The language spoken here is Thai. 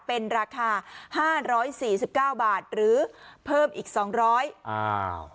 เป็นราคาห้าร้อยสี่สิบเก้าบาทหรือเพิ่มอีกสองร้อยอ้าว